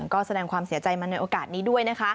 ก็แสดงความเสียใจมาในโอกาสนี้ด้วยนะคะ